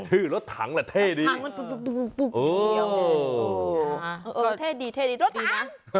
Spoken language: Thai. ชื่อรถถังแหละเท่ดีโอ้โอ้โอ้เท่ดีรถถัง